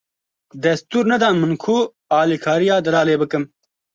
Destûr nedan min ku alikariya Delalê bikim.